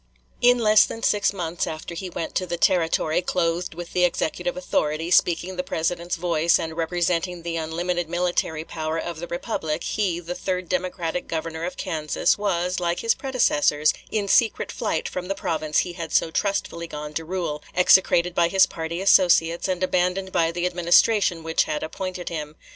In less than six months after he went to the Territory, clothed with the executive authority, speaking the President's voice, and representing the unlimited military power of the republic, he, the third Democratic Governor of Kansas, was, like his predecessors, in secret flight from the province he had so trustfully gone to rule, execrated by his party associates, and abandoned by the Administration which had appointed him.